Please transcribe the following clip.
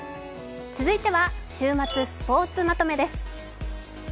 続いては週末スポーツまとめです。